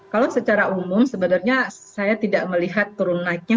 kalau secara umum sebenarnya saya tidak melihat turun naiknya